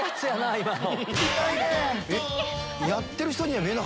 今の。